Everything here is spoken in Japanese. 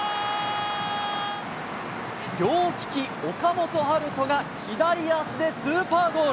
両利き、岡本温叶が左足でスーパーゴール。